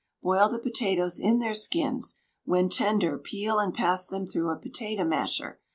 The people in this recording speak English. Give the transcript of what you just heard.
Boil the potatoes in their skins; when tender peel and pass them through a potato masher.